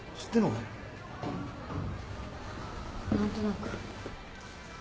何となく。